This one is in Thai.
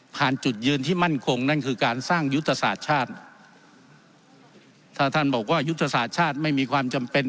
จุดยืนที่มั่นคงนั่นคือการสร้างยุทธศาสตร์ชาติถ้าท่านบอกว่ายุทธศาสตร์ชาติไม่มีความจำเป็น